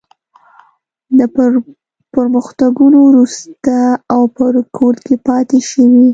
له پرمختګونو وروسته او په رکود کې پاتې شوې.